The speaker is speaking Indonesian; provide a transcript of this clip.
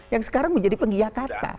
yang sekarang menjadi pengiyah kata